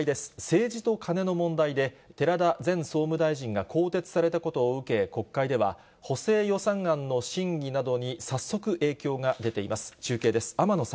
政治とカネの問題で、寺田前総務大臣が更迭されたことを受け、国会では補正予算案の審議などに早速影響が出ています。